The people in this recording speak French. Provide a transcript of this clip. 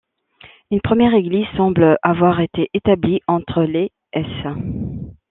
Une première église semble avoir été établie entre les s.